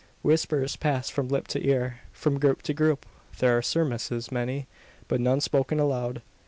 Whispers pass from lip to ear from group to group. There are surmises many, but none spoken aloud.